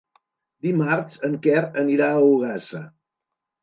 Dimarts en Quer anirà a Ogassa.